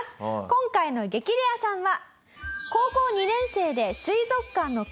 今回の激レアさんは。